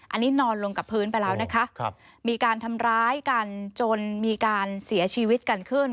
อันนี้นอนลงกับพื้นไปแล้วนะคะมีการทำร้ายกันจนมีการเสียชีวิตกันขึ้น